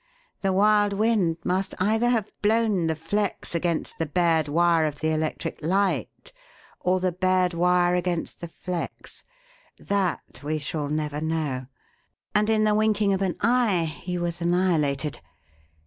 The wild wind must either have blown the flex against the bared wire of the electric light or the bared wire against the flex that we shall never know and in the winking of an eye he was annihilated.